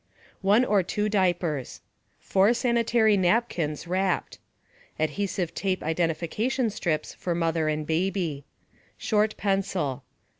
One or two diapers. Four sanitary napkins (wrapped). Adhesive tape identification strips for mother and baby. Short pencil.